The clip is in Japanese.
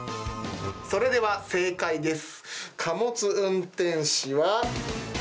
それでは正解です。